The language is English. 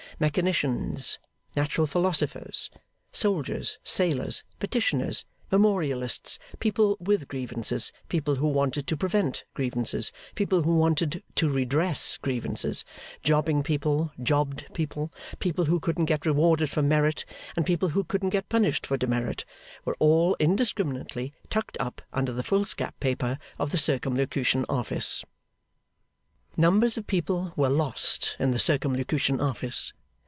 Mechanicians, natural philosophers, soldiers, sailors, petitioners, memorialists, people with grievances, people who wanted to prevent grievances, people who wanted to redress grievances, jobbing people, jobbed people, people who couldn't get rewarded for merit, and people who couldn't get punished for demerit, were all indiscriminately tucked up under the foolscap paper of the Circumlocution Office. Numbers of people were lost in the Circumlocution Office.